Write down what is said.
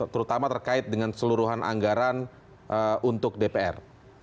terutama terkait dengan seluruhan anggaran untuk dpr